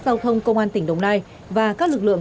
giao thông công an tỉnh đồng nai và các lực lượng